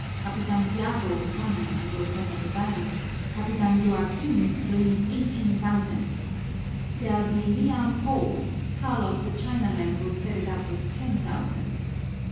"Capitan Tiago's coming and will set up a bank; Capitan Joaquin's bringing eighteen thousand. There'll be liam pó: Carlos the Chinaman will set it up with ten thousand.